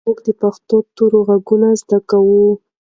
موږ د پښتو تورو غږونه زده کوو.